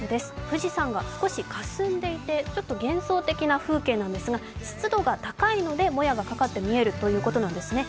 富士山が少しかすんでいて少し幻想的な風景なんですが湿度が高いのでもやがかかって見えるということなんですね。